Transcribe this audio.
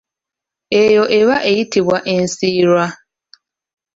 Eyo eba eyitibwa ensiirwa.